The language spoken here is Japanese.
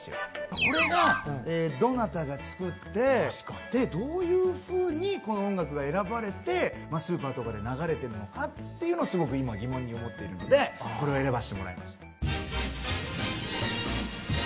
これがどなたが作ってでどういうふうにこの音楽が選ばれてスーパーとかで流れてるのかっていうのをすごく今疑問に思っているのでこれを選ばせてもらいました。